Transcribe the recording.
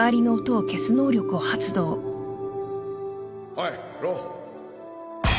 おいロー。